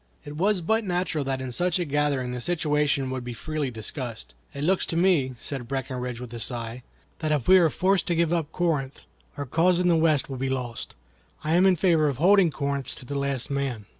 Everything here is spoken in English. It was but natural that in such a gathering the situation would be freely discussed. "It looks to me," said Breckinridge, with a sigh, "that if we are forced to give up Corinth, our cause in the West will be lost. I am in favor of holding Corinth to the last man."